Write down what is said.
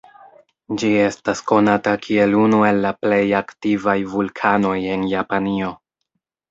Ĝi estas konata kiel unu el la plej aktivaj vulkanoj en Japanio.